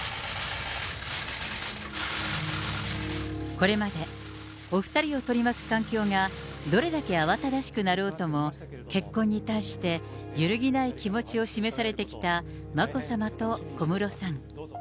これまで、お２人を取り巻く環境がどれだけ慌ただしくなろうとも、結婚に対して揺るぎない気持ちを示されてきた眞子さまと小室さん。